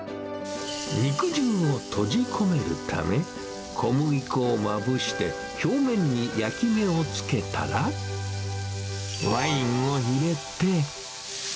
肉汁を閉じ込めるため、小麦粉をまぶして、表面に焼き目をつけたら、ワインを入れて。